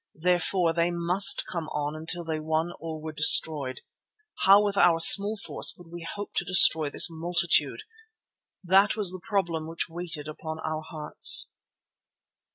Therefore they must come on until they won or were destroyed. How with our small force could we hope to destroy this multitude? That was the problem which weighed upon our hearts.